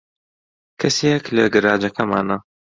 کەسێک لە گەراجەکەمانە.